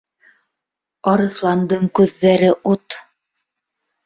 — Арыҫландың күҙҙәре ут